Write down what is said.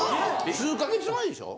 数か月前でしょ？